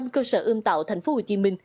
hai mươi năm cơ sở ươm tạo thành phố hồ chí minh